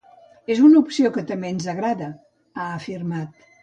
“És una opció que també ens agrada”, ha afirmat.